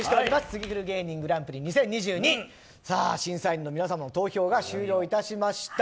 ツギクル芸人グランプリ２０２２審査員の皆さんの投票が終了いたしました。